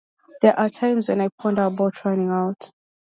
There are times when I ponder about running out.